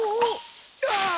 ああ。